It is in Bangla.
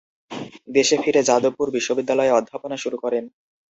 দেশে ফিরে যাদবপুর বিশ্ববিদ্যালয়ে অধ্যাপনা শুরু করেন।